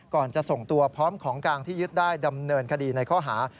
ก่อนจะส่งตัวพร้อมของกลางที่ยึดได้ดำเนินคดีในข้อหา